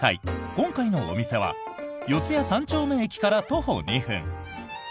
今回のお店は四谷三丁目駅から徒歩２分。